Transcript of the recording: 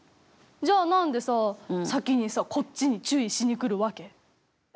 じゃあなんでさ、先にさこっちに注意しにくるわけ？